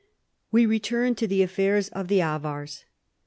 We return to the affairs of the Avars.